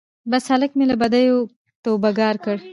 بس هلک مي له بدیو توبه ګار کړ